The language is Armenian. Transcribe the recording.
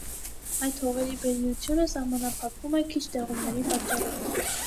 Այդ հողերի բերրիությունը սահմանափակվում է քիչ տեղումների պատճառով։